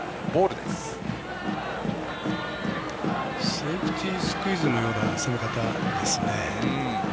セーフティースクイズのような攻め方ですね。